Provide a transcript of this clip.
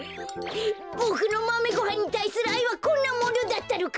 ボクのマメごはんにたいするあいはこんなものだったのか？